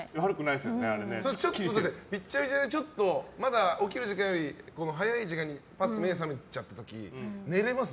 びっちゃびちゃでまだ起きる時間より早い時間にパって目が覚めちゃった時寝れます？